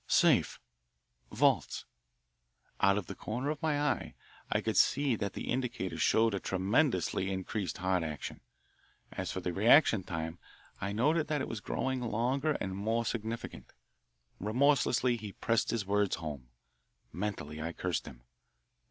"Safe." "Vaults." Out of the corner of my eye I could see that the indicator showed a tremendously increased heart action. As for the reaction time, I noted that it was growing longer and more significant. Remorselessly he pressed his words home. Mentally I cursed him.